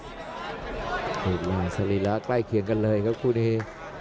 รูปร่างสรีระใกล้เคียงกันเลยครับคู่นี้